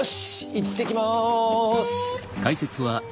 いってきます。